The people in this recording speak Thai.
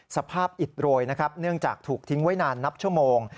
สภาพอิดโรยเนื่องจากถูกทิ้งไว้นานนับชั่วโมง